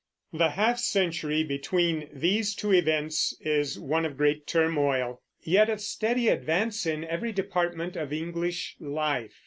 The half century between these two events is one of great turmoil, yet of steady advance in every department of English life.